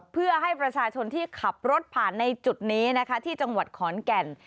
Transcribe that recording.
เพื่อให้ประชาชนที่ขับรถผ่านในจุดนี้นะคะที่จังหวัดขอนแก่น